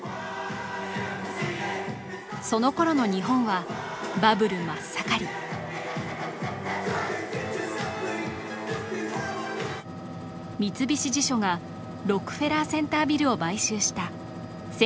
その頃の日本はバブル真っ盛り三菱地所がロックフェラーセンタービルを買収した